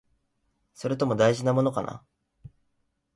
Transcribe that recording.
それとも、大事なものかな？